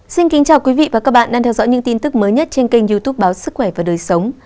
xin kính chào quý vị và các bạn đang theo dõi những tin tức mới nhất trên kênh youtube báo sức khỏe và đời sống